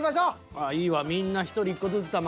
ああいいわみんな１人１個ずつ卵？